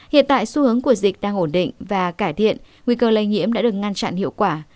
hiện tại xu hướng của dịch đang ổn định và cải thiện nguy cơ lây nhiễm đã được ngăn chặn hiệu quả